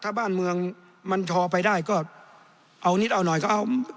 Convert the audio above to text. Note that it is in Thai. ถ้าบ้านเมืองมันชอไปได้ก็เอานิดเอาหน่อยก็เอา